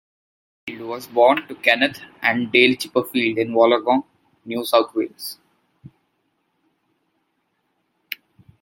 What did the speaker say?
Chipperfield was born to Kenneth and Dale Chipperfield in Wollongong, New South Wales.